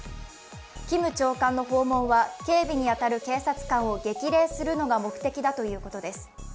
キム長官の訪問は警備に当たる警察官を激励するのが目的だということです。